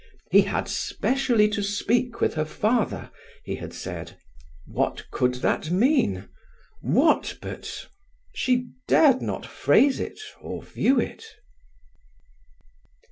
He had specially to speak with her father, he had said. What could that mean? What, but She dared not phrase it or view it.